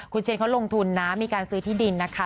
คุณเชนเขาลงทุนนะมีการซื้อที่ดินนะคะ